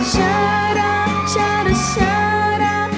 ชาด้าชาด้าชาด้า